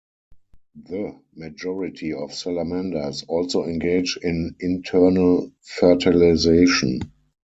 The majority of salamanders also engage in internal fertilisation.